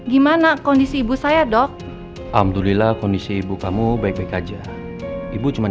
gimana kondisi ibu saya dok alhamdulillah kondisi ibu kamu baik baik aja ibu cuma